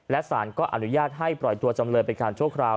และสารก็อนุญาตให้ปล่อยตัวจำเลยเป็นการชั่วคราว